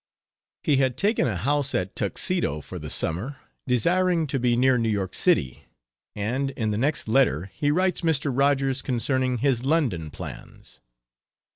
He had taken a house at Tuxedo for the summer, desiring to be near New York City, and in the next letter he writes Mr. Rogers concerning his London plans.